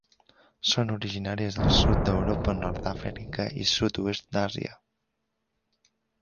Són originàries del sud d'Europa, Nord d'Àfrica i sud-oest d'Àsia.